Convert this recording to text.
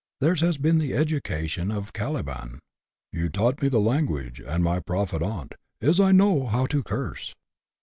Theirs has been the education of Caliban —" You taught me language, and my profit on 't Is, I know how to curse."